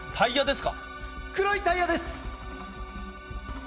「黒いタイヤです」